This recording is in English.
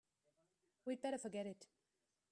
We'd better forget it.